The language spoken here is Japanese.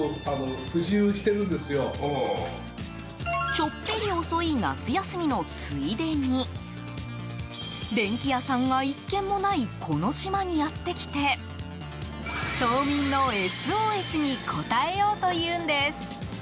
ちょっぴり遅い夏休みのついでに電器屋さんが１軒もないこの島にやってきて島民のＳＯＳに応えようというんです。